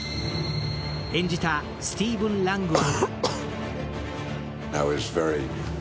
演じたスティーヴン・ラングは？